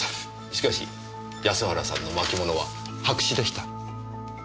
しかし安原さんの巻物は白紙でした。